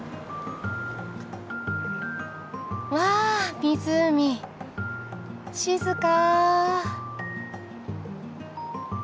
わあ湖静か。